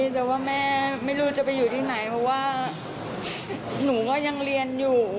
แต่ว่าแม่ไม่รู้จะไปอยู่ที่ไหนเพราะว่าหนูก็ยังเรียนอยู่